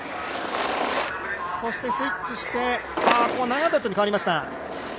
そしてスイッチして９００に変わりました。